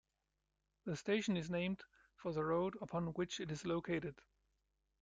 The station is named for the road upon which it is located.